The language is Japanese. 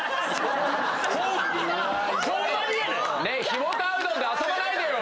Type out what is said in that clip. ひもかわうどんで遊ばないでよ！